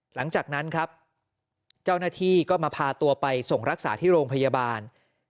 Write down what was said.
หลังจากนั้นครับเจ้าหน้าที่ก็มาพาตัวไปส่งรักษาที่โรงพยาบาล